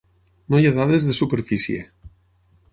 No hi ha dades de superfície.